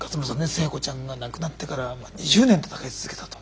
星子ちゃんが亡くなってから２０年闘い続けたと。